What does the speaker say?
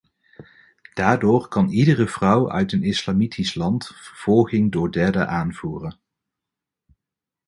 Daardoor kan iedere vrouw uit een islamitisch land vervolging door derden aanvoeren.